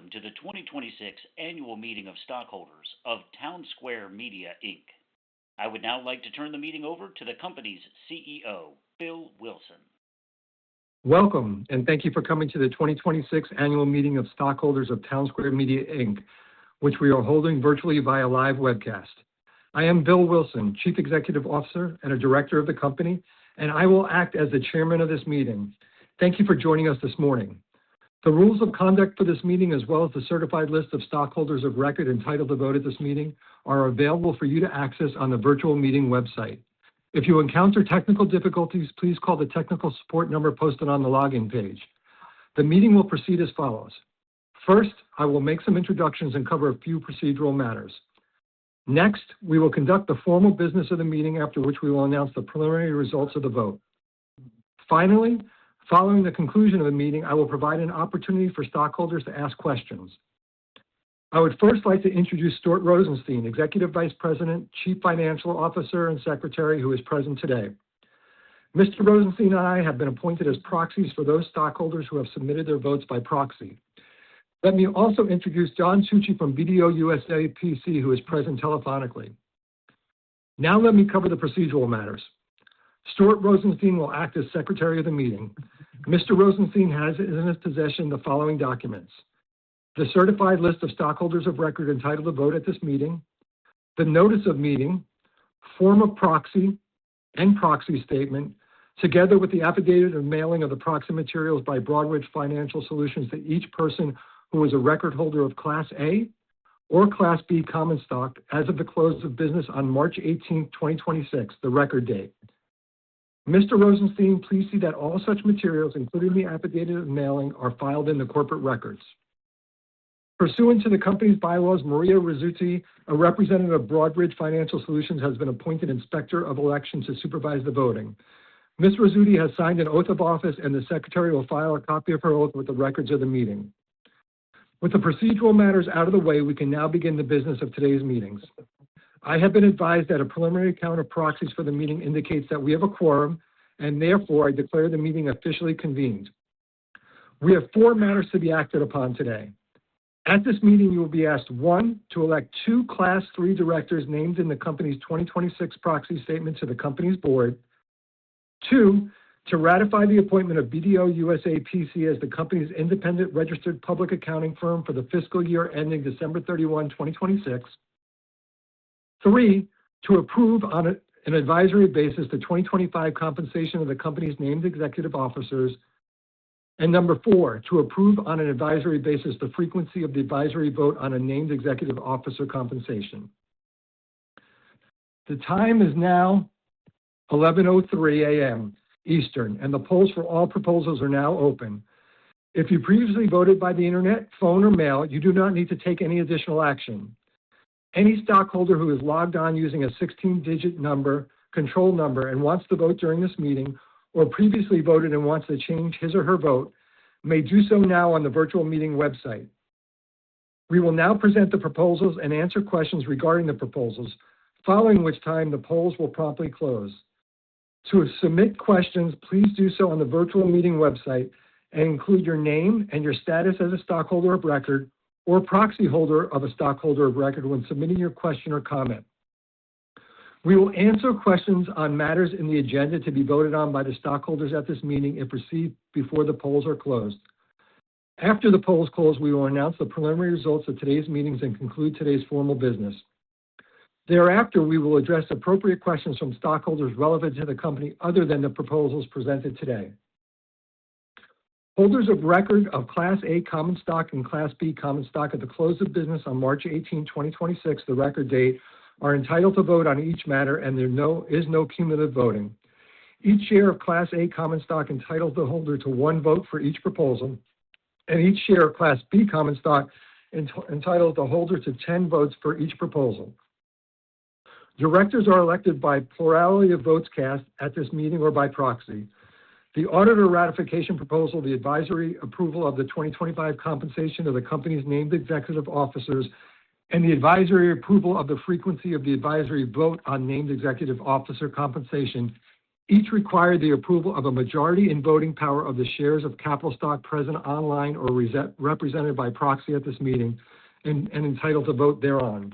Welcome to the 2026 Annual Meeting of Stockholders of Townsquare Media, Inc. I would now like to turn the meeting over to the company's CEO, Bill Wilson. Welcome, and thank you for coming to the 2026 Annual Meeting of Stockholders of Townsquare Media, Inc., which we are holding virtually via live webcast. I am Bill Wilson, Chief Executive Officer and a director of the company, and I will act as the chairman of this meeting. Thank you for joining us this morning. The rules of conduct for this meeting, as well as the certified list of stockholders of record entitled to vote at this meeting, are available for you to access on the virtual meeting website. If you encounter technical difficulties, please call the technical support number posted on the login page. The meeting will proceed as follows. First, I will make some introductions and cover a few procedural matters. Next, we will conduct the formal business of the meeting, after which we will announce the preliminary results of the vote. Finally, following the conclusion of the meeting, I will provide an opportunity for stockholders to ask questions. I would first like to introduce Stuart Rosenstein, Executive Vice President, Chief Financial Officer, and Secretary, who is present today. Mr. Rosenstein and I have been appointed as proxies for those stockholders who have submitted their votes by proxy. Let me also introduce John Tucci from BDO USA, P.C., who is present telephonically. Now let me cover the procedural matters. Stuart Rosenstein will act as Secretary of the meeting. Mr. Rosenstein has in his possession the following documents: the certified list of stockholders of record entitled to vote at this meeting, the notice of meeting, form of proxy, and proxy statement, together with the affidavit of mailing of the proxy materials by Broadridge Financial Solutions to each person who is a record holder of Class A or Class B common stock as of the close of business on March 18th, 2026, the record date. Mr. Rosenstein, please see that all such materials, including the affidavit of mailing, are filed in the corporate records. Pursuant to the company's bylaws, Maria Rizzuti, a representative of Broadridge Financial Solutions, has been appointed Inspector of Elections to supervise the voting. Ms. Rizzuti has signed an oath of office, and the secretary will file a copy of her oath with the records of the meeting. With the procedural matters out of the way, we can now begin the business of today's meetings. I have been advised that a preliminary count of proxies for the meeting indicates that we have a quorum, and therefore, I declare the meeting officially convened. We have four matters to be acted upon today. At this meeting, you will be asked, one, to elect two Class III directors named in the company's 2026 proxy statement to the company's board. Two, to ratify the appointment of BDO USA, P.C. as the company's independent registered public accounting firm for the fiscal year ending December 31, 2026. Three, to approve on an advisory basis the 2025 compensation of the company's named executive officers. Four, to approve on an advisory basis the frequency of the advisory vote on a named executive officer compensation. The time is now 11:03 A.M. Eastern. The polls for all proposals are now open. If you previously voted by the Internet, phone or mail, you do not need to take any additional action. Any stockholder who has logged on using a 16-digit number, control number and wants to vote during this meeting or previously voted and wants to change his or her vote may do so now on the virtual meeting website. We will now present the proposals and answer questions regarding the proposals, following which time the polls will promptly close. To submit questions, please do so on the virtual meeting website and include your name and your status as a stockholder of record or proxy holder of a stockholder of record when submitting your question or comment. We will answer questions on matters in the agenda to be voted on by the stockholders at this meeting and proceed before the polls are closed. After the polls close, we will announce the preliminary results of today's meetings and conclude today's formal business. Thereafter, we will address appropriate questions from stockholders relevant to the company other than the proposals presented today. Holders of record of Class A common stock and Class B common stock at the close of business on March 18th, 2026, the record date, are entitled to vote on each matter, and there is no cumulative voting. Each share of Class A common stock entitles the holder to one vote for each proposal, and each share of Class B common stock entitles the holder to 10 votes for each proposal. Directors are elected by plurality of votes cast at this meeting or by proxy. The auditor ratification proposal, the advisory approval of the 2025 compensation of the company's named executive officers, and the advisory approval of the frequency of the advisory vote on named executive officer compensation each require the approval of a majority in voting power of the shares of capital stock present online or represented by proxy at this meeting and entitled to vote thereon.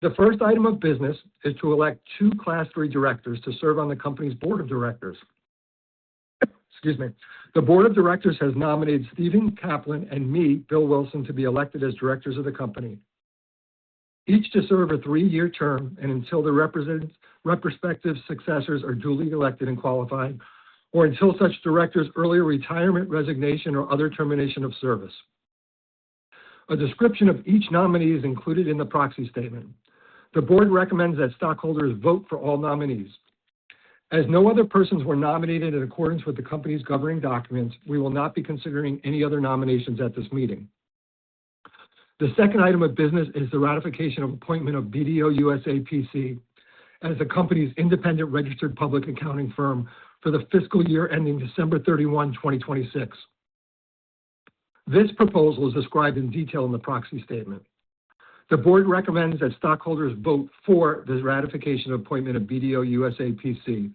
The first item of business is to elect two Class III directors to serve on the company's board of directors. Excuse me. The board of directors has nominated Stephen Kaplan and me, Bill Wilson, to be elected as directors of the company, each to serve a three-year term and until the respective successors are duly elected and qualified, or until such director's earlier retirement, resignation, or other termination of service. A description of each nominee is included in the proxy statement. The board recommends that stockholders vote for all nominees. As no other persons were nominated in accordance with the company's governing documents, we will not be considering any other nominations at this meeting. The second item of business is the ratification of appointment of BDO USA, P.C. as the company's independent registered public accounting firm for the fiscal year ending December 31, 2026. This proposal is described in detail in the proxy statement. The board recommends that stockholders vote for this ratification appointment of BDO USA, P.C.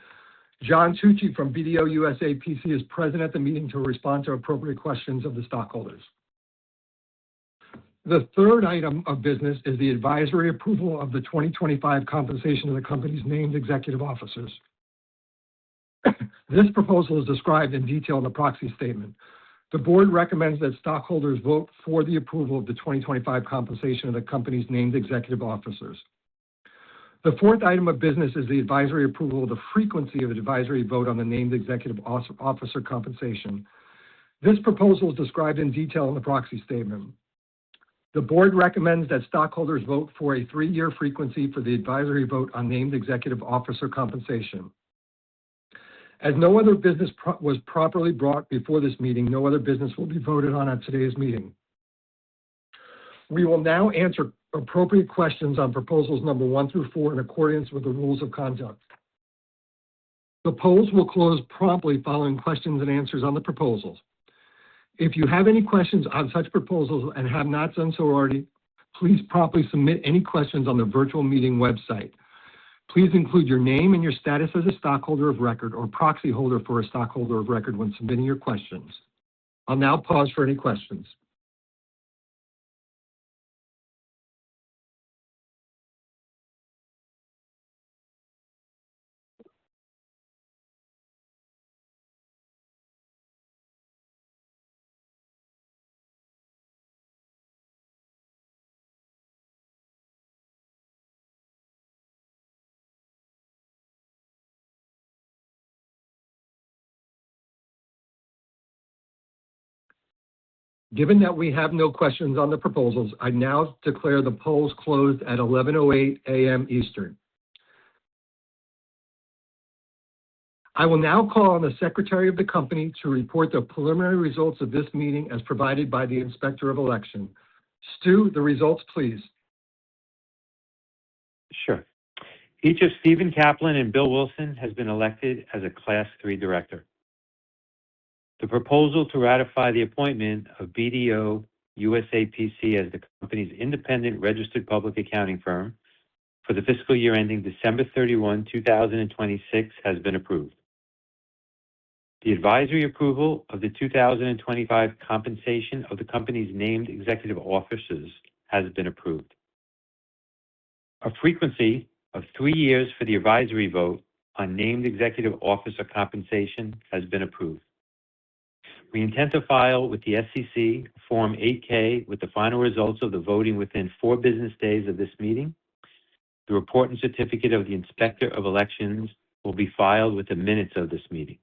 John Tucci from BDO USA, P.C. is present at the meeting to respond to appropriate questions of the stockholders. The third item of business is the advisory approval of the 2025 compensation of the company's named executive officers. This proposal is described in detail in the proxy statement. The board recommends that stockholders vote for the approval of the 2025 compensation of the company's named executive officers. The fourth item of business is the advisory approval of the frequency of advisory vote on the named executive officer compensation. This proposal is described in detail in the proxy statement. The board recommends that stockholders vote for a three-year frequency for the advisory vote on named executive officer compensation. No other business was properly brought before this meeting, no other business will be voted on at today's meeting. We will now answer appropriate questions on proposals number one through four in accordance with the rules of conduct. The polls will close promptly following questions and answers on the proposals. If you have any questions on such proposals and have not done so already, please promptly submit any questions on the virtual meeting website. Please include your name and your status as a stockholder of record or proxy holder for a stockholder of record when submitting your questions. I'll now pause for any questions. Given that we have no questions on the proposals, I now declare the polls closed at 11:08 A.M. Eastern. I will now call on the Secretary of the Company to report the preliminary results of this meeting as provided by the Inspector of Elections. Stuart, the results, please. Sure. Each of Stephen Kaplan and Bill Wilson has been elected as a Class III director. The proposal to ratify the appointment of BDO USA, P.C. as the company's independent registered public accounting firm for the fiscal year ending December 31, 2026 has been approved. The advisory approval of the 2025 compensation of the company's named executive officers has been approved. A frequency of three years for the advisory vote on named executive officer compensation has been approved. We intend to file with the SEC Form 8-K with the final results of the voting within four business days of this meeting. The report and certificate of the Inspector of Elections will be filed with the minutes of this meeting.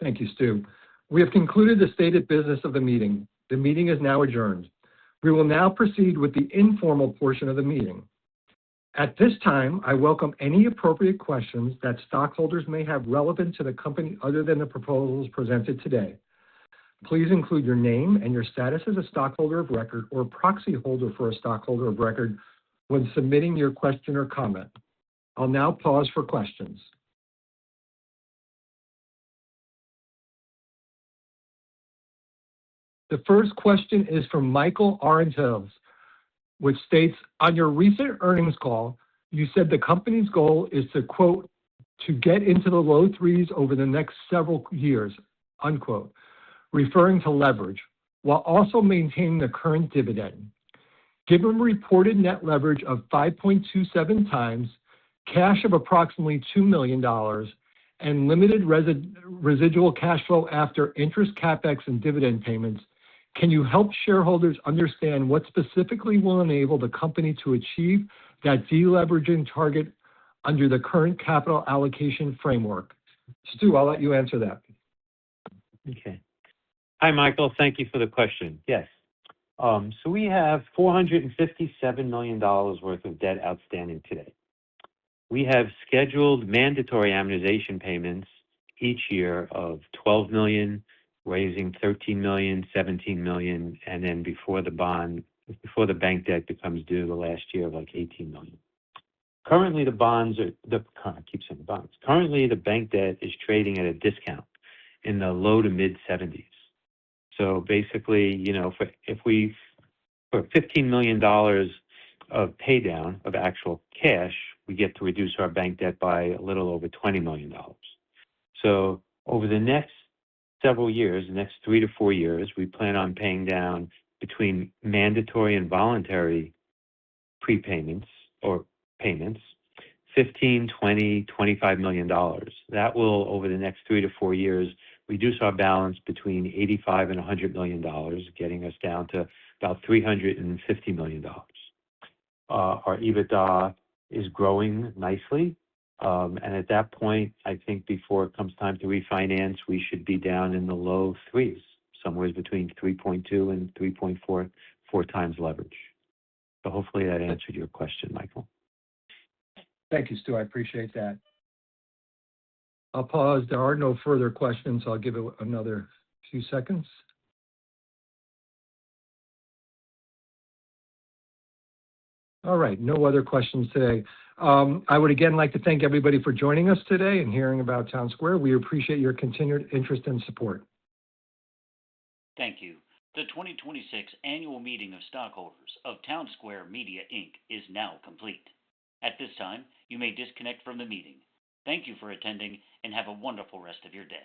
Thank you, Stuart. We have concluded the stated business of the meeting. The meeting is now adjourned. We will now proceed with the informal portion of the meeting. At this time, I welcome any appropriate questions that stockholders may have relevant to the company other than the proposals presented today. Please include your name and your status as a stockholder of record or proxy holder for a stockholder of record when submitting your question or comment. I'll now pause for questions. The first question is from Michael Orange Hills, which states, "On your recent earnings call, you said the company's goal is to, quote, 'To get into the low threes over the next several years,' unquote, referring to leverage, while also maintaining the current dividend. Given reported net leverage of 5.27x, cash of approximately $2 million and limited residual cash flow after interest CapEx and dividend payments, can you help shareholders understand what specifically will enable the company to achieve that deleveraging target under the current capital allocation framework? Stuart, I'll let you answer that. Okay. Hi, Michael. Thank you for the question. Yes. We have $457 million worth of debt outstanding today. We have scheduled mandatory amortization payments each year of $12 million, $13 million, $17 million, and then before the bank debt becomes due the last year of, like, $18 million. Currently, the bank debt is trading at a discount in the low to mid seventies. Basically, you know, for $15 million of pay down of actual cash, we get to reduce our bank debt by a little over $20 million. Over the next several years, the next three to four years, we plan on paying down between mandatory and voluntary prepayments or payments, $15 million, $20 million, $25 million. That will, over the next three to four years, reduce our balance between $85 million and $100 million, getting us down to about $350 million. Our EBITDA is growing nicely. At that point, I think before it comes time to refinance, we should be down in the low threes, somewhere between 3.2x and 3.44x leverage. Hopefully that answered your question, Michael. Thank you, Stuart. I appreciate that. I'll pause. There are no further questions. I'll give it another few seconds. All right. No other questions today. I would again like to thank everybody for joining us today and hearing about Townsquare. We appreciate your continued interest and support. Thank you. The 2026 annual meeting of stockholders of Townsquare Media Inc. is now complete. At this time, you may disconnect from the meeting. Thank you for attending and have a wonderful rest of your day.